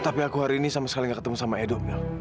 tapi aku hari ini sama sekali gak ketemu sama edo